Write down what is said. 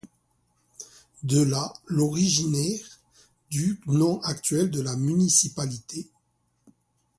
De là, l'originer du nom actuel de la municipalité.